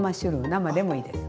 生でもいいです。